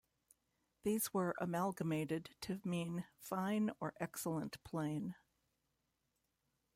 These were amalgamated to mean "fine or excellent plain".